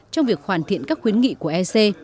trong việc hoàn thiện các khuyến nghị của ec